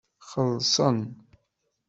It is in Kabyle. Xellṣen.